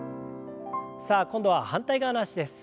さあ今度は反対側の脚です。